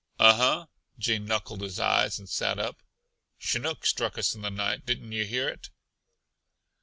"Uh huh!" Gene knuckled his eyes and sat up. "Chinook struck us in the night. Didn't yuh hear it?"